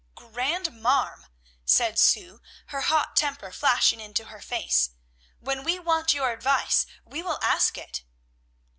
"Grandmarm!" said Sue, her hot temper flashing into her face, "when we want your advice, we will ask it."